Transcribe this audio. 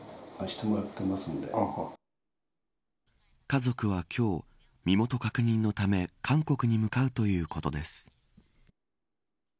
家族は今日身元確認のため韓国に向かうということです。